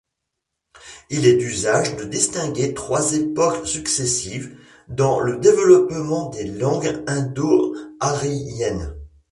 Il est d'usage de distinguer trois époques successives dans le développement des langues indo-aryennes.